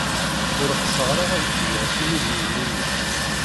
Ur ɣseɣ ara ad kbuɣ timidiwin-inu.